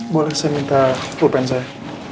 boleh saya minta perubahan saya